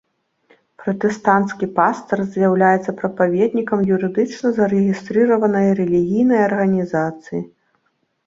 Пратэстанцкі пастар з'яўляецца прапаведнікам юрыдычна зарэгістраванай рэлігійнай арганізацыі.